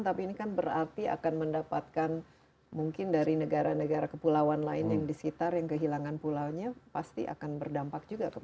tapi ini kan berarti akan mendapatkan mungkin dari negara negara kepulauan lain yang di sekitar yang kehilangan pulaunya pasti akan berdampak juga